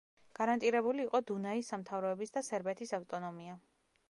გარანტირებული იყო დუნაის სამთავროების და სერბეთის ავტონომია.